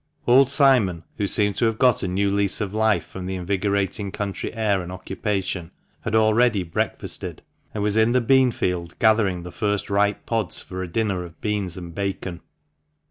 Old Simon, who seemed to have got a new lease of life from the invigorating country air and occupation, had already breakfasted, and was in the bean field gathering the first ripe pods for a dinner of beans and bacon.